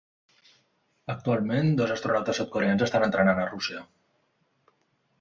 Actualment, dos astronautes sud-coreans estan entrenant a Rússia.